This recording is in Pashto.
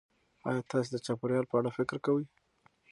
ایا تاسې د چاپیریال په اړه فکر کوئ؟